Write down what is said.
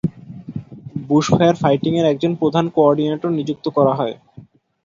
Bush fire fighting এর একজন প্রধান কো-অর্ডিনেটর নিযুক্ত করা হয়।